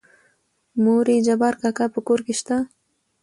مورې جبار کاکا په کور کې شته؟